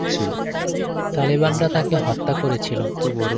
তালেবানরা তাকে হত্যা করেছিল।